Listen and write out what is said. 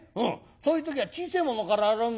そういう時は小せえものから洗うんだよ。